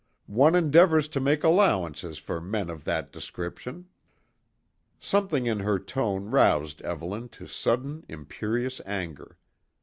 "One endeavours to make allowances for men of that description." Something in her tone roused Evelyn to sudden imperious anger.